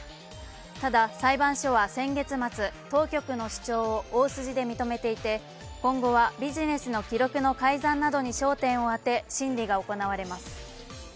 ただ裁判所は先月末、当局の主張を大筋で認めていて今後はビジネスの記録の改ざんなどに焦点を当て審理が行われます。